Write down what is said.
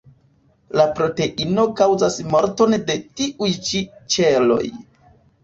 La proteino kaŭzas morton de tiuj ĉi ĉeloj.